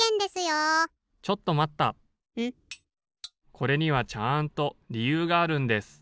・これにはちゃんとりゆうがあるんです。